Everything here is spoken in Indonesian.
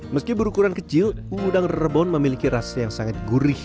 meski berukuran kecil udang rebon memiliki rasa yang sangat gurih